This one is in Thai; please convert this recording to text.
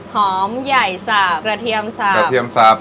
หอมใหญ่สับกระเทียมสับ